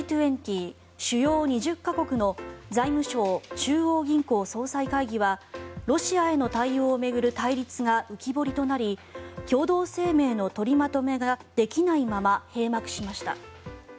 主要２０か国の財務相・中央銀行総裁会議はロシアへの対応を巡る対立が浮き彫りとなり共同声明の取りまとめができないまま閉幕しました。